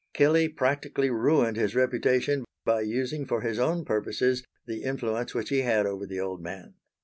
Kelley practically ruined his reputation by using for his own purposes the influence which he had over the old man.